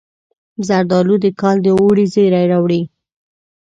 زردالو د کال د اوړي زیری راوړي.